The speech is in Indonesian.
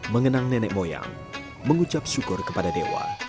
mengenang nenek moyang mengucap syukur kepada dewa